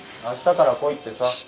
あしたから来いってさ。